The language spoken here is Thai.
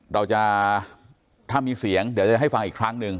เราจะถ้ามีเสียงเดี๋ยวจะให้ฟังอีกครั้งหนึ่ง